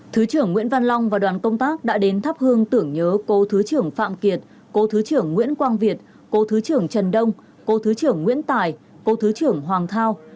thứ trưởng nguyễn văn long và đoàn công tác đã đến thắp hương tưởng nhớ cố thứ trưởng phạm kiệt cố thứ trưởng nguyễn quang việt cô thứ trưởng trần đông cô thứ trưởng nguyễn tài cô thứ trưởng hoàng thao